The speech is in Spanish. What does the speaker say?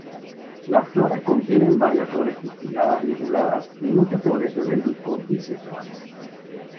Las flores contienen varias flores pistiladas liguladas y muchos floretes del disco bisexuales.